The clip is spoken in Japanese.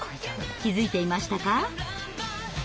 気付いていましたか？